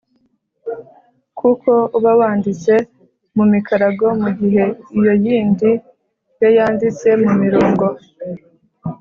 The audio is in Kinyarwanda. kuko uba wanditse mu mikarago mu gihe iyo yindi yo yanditse mu mirongo.